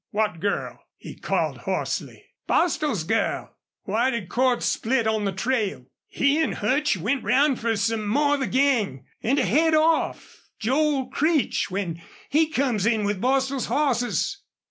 What girl?" he called, hoarsely. "Bostil's girl." "Why did Cordts split on the trail?" "He an' Hutch went round fer some more of the gang, an' to head off Joel Creech when he comes in with Bostil's hosses."